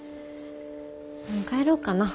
もう帰ろうかな。